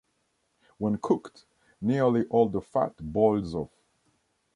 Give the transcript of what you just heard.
When cooked, nearly all the fat boils off.